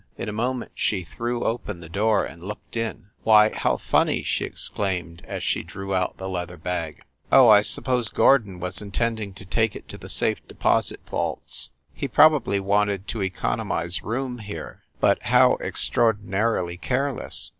In a moment she threw open the door and looked in. "Why, how funny!" she exclaimed, as she drew out tHe leather bag. "Oh, I suppose Gordon was in tending to take it to the safe deposit vaults. He probably wanted to economize room here. But how extraordinarily careless